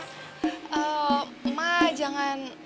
eh mak jangan